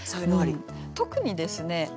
特にですね